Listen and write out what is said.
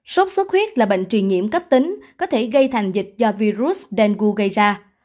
sốt xuất huyết là bệnh truyền nhiễm cấp tính có thể gây thành dịch do virus dengue gây ra